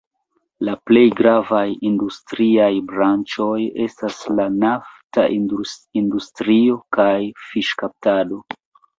La plej gravaj industriaj branĉoj estas la nafta industrio kaj fiŝkaptado.